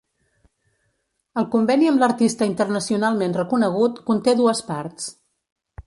El conveni amb l'artista internacionalment reconegut, conté dues parts.